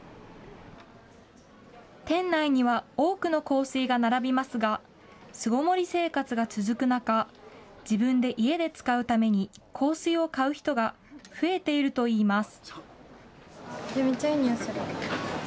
店内には多くの香水が並びますが、巣ごもり生活が続く中、自分で家で使うために香水を買う人が増えているといいます。